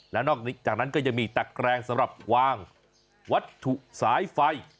แล้วนอกจากนั้นก็ยังมีตะแกรงสำหรับวางวัตถุสายไฟ